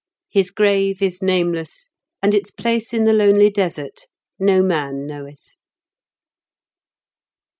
His grave is nameless, and its place in the lonely Desert no man knoweth.